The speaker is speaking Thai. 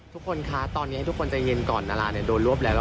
ทุกคนคะตอนนี้ให้ทุกคนใจเย็นก่อนดาราโดนรวบแล้ว